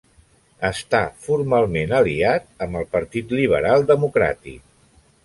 Està formalment aliat amb el Partit Lliberal Democràtic.